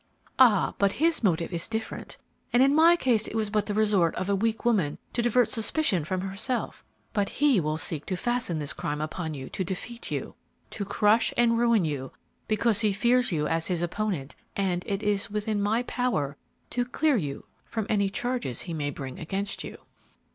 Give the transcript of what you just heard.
"Ah, but his motive is different; in my case it was but the resort of a weak woman to divert suspicion from herself; but he will seek to fasten this crime upon you to defeat you, to crush and ruin you, because he fears you as his opponent, and it is within my power to clear you from any charges he may bring against you."